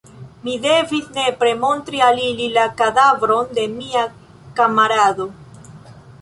Mi devis nepre montri al ili la kadavron de mia kamarado.